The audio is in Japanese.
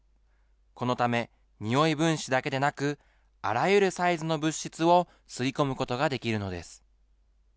このため臭い分子だけでなく、あらゆるサイズの物質を吸い込むことができるのです。